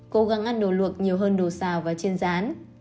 cố gắng ăn đồ luộc nhiều hơn đồ xào và trên rán